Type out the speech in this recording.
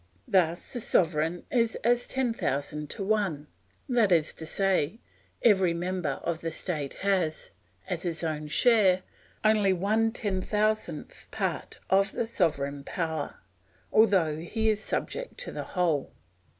Thus the sovereign is as ten thousand to one; that is to say, every member of the state has, as his own share, only one ten thousandth part of the sovereign power, although he is subject to the whole.